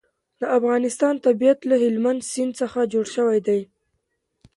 د افغانستان طبیعت له هلمند سیند څخه جوړ شوی دی.